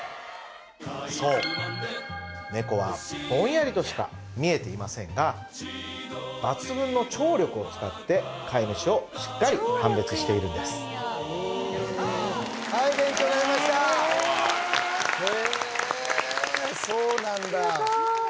そう猫はぼんやりとしか見えていませんが抜群の聴力を使って飼い主をしっかり判別しているんです・全部なくなってましたもんね